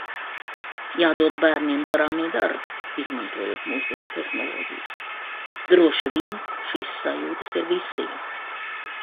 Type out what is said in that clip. Jādod bērniem darāmie darbi, izmantojot mūsdienu tehnoloģijas. Droši vien šīs sajūtas ir visiem.